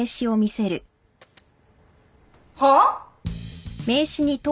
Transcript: はあ！？